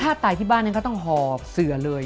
ถ้าตายที่บ้านก็ต้องห่อเสือเลย